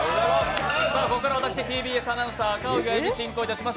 ここからは私、ＴＢＳアナウンサー赤荻歩が進行いたします。